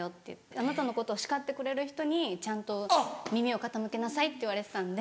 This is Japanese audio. あなたのことを叱ってくれる人にちゃんと耳を傾けなさい」って言われてたんで。